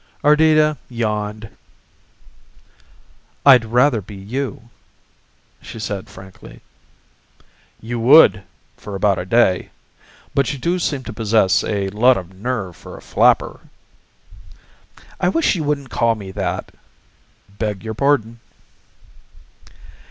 Ardita yawned. "I'd rather be you," she said frankly. "You would for about a day. But you do seem to possess a lot of nerve for a flapper." "I wish you wouldn't call me that." "Beg your pardon."